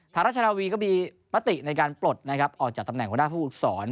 ธารัชนาวีก็มีปฏิในการปลดออกจากตำแหน่งคุณภาพภูมิสอน